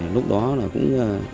lúc đó là cũng